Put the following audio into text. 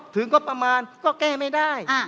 งบประมาณก็แก้ไม่ได้